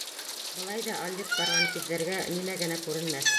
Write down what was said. Былай ҙа алйып барған күҙҙәргә нимә генә күренмәҫ.